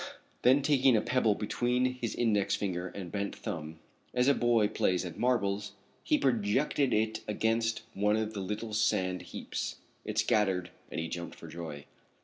Then taking a pebble between his index finger and bent thumb, as a boy plays at marbles, he projected it against one of the little sand heaps. It scattered, and he jumped for joy.